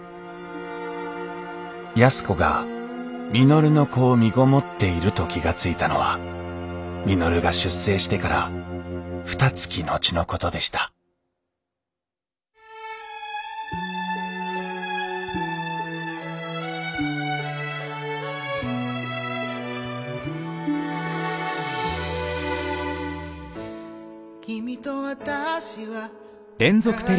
安子が稔の子をみごもっていると気が付いたのは稔が出征してからふたつき後のことでした「君と私は仲良くなれるかな」